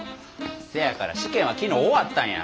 せやから試験は昨日終わったんや。